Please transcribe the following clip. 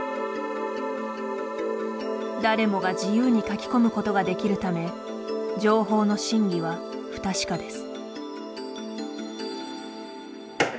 誰もが自由に書き込むことができるため情報の真偽は不確かです。